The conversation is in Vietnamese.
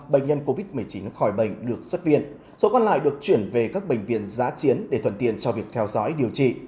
bệnh nhân covid một mươi chín khỏi bệnh được xuất viện số còn lại được chuyển về các bệnh viện giá chiến để thuận tiện cho việc theo dõi điều trị